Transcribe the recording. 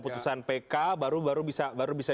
putusan pk baru bisa